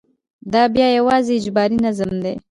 دا بیا یوازې اجباري نظم دی.